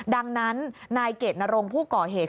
ดังนั้นนายเกดนรงผู้ก่อเหตุ